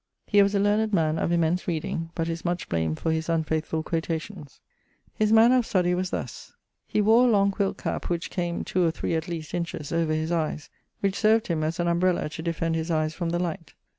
He was a learned man, of immense reading, but is much blamed for his unfaithfull quotations. His manner of studie was thus: he wore a long quilt cap, which came, 2 or 3, at least, inches, over his eies, which served him as an umbrella to defend his eies from the light.